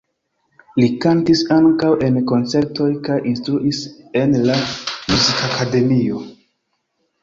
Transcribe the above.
Li kantis ankaŭ en koncertoj kaj instruis en la muzikakademio.